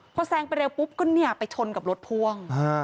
พอแซงไปเร็วปุ๊บก็เนี่ยไปชนกับรถพ่วง